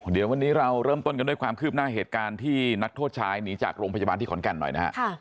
เดี๋ยววันนี้เราเริ่มต้นกันด้วยความคืบหน้าเหตุการณ์ที่นักโทษชายหนีจากโรงพยาบาลที่ขอนแก่นหน่อยนะฮะ